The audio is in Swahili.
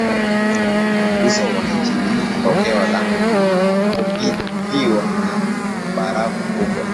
Uso wa nchi ni tokeo la kupitiwa na barafu kubwa